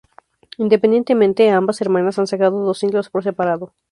Independientemente, ambas hermanas han sacado dos singles por separado.